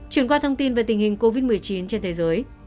chuyển qua thông tin về tình hình covid một mươi chín trên thế giới